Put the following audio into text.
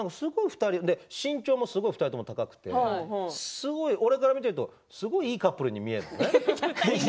身長、２人ともすごい高くて俺から見ているといいカップルに見えるのね。